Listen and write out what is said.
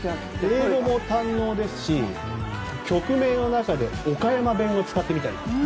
英語も堪能ですし曲名の中で岡山弁を使ってみたり。